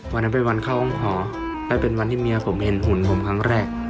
วันนั้นเป็นวันเข้าห้องคอและเป็นวันที่เมียผมเห็นหุ่นผมครั้งแรก